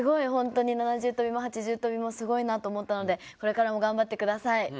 ７重跳びも８重跳びもすごいなと思ったのでこれからも頑張ってください。